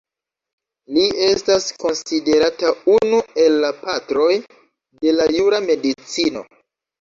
Li estas konsiderata unu el la patroj de la jura medicino.